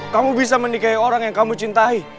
kamu bisa menikahi orang yang kamu cintai